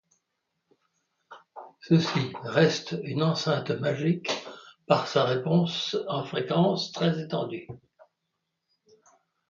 Celle-ci reste une enceinte magique par sa réponse en fréquence très étendue.